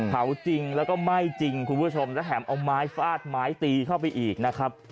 จริงแล้วก็ไหม้จริงคุณผู้ชมและแถมเอาไม้ฟาดไม้ตีเข้าไปอีกนะครับ